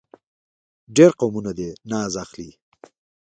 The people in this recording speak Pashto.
ډېر قومونه دې ناز اخلي.